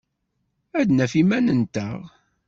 Ad naf iman-nteɣ.